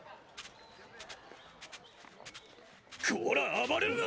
・こら暴れるな！